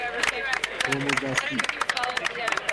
ترمز دستی